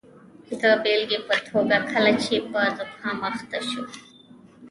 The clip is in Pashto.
د بیلګې په توګه کله چې په زکام اخته اوسو.